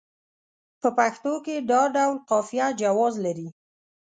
په پښتو کې دا ډول قافیه جواز لري.